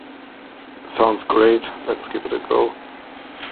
Sounds great, let's give it a go!